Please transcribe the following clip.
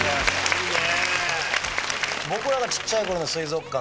いいね。